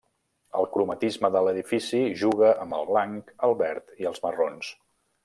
El cromatisme de l'edifici juga amb el blanc, el verd i els marrons.